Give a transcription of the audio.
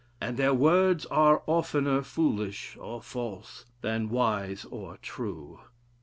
And their words are oftener foolish or false, than wise or true.